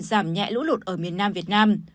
giảm nhẹ lũ lụt ở miền nam việt nam